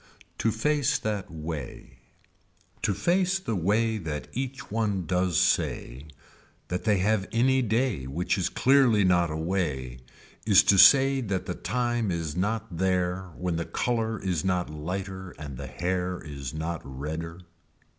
To face that way. To face the way that each one does say that they have any day which is clearly not away is to say that the time is not there when the color is not lighter and the hair is not redder.